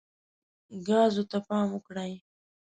ګازو ته پام وکړئ.